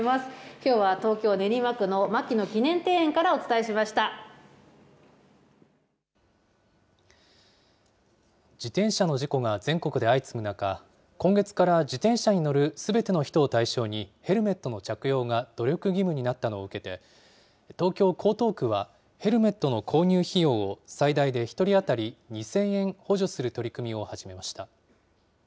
きょうは東京・練馬区の牧野記念自転車の事故が全国で相次ぐ中、今月から自転車に乗るすべての人を対象にヘルメットの着用が努力義務になったのを受けて、東京・江東区は、ヘルメットの購入費用を最大で１人当たり２０００円補助する取り組みを始めました。